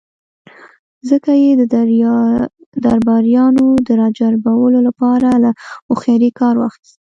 ځکه يې د درباريانو د را جلبولو له پاره له هوښياری کار واخيست.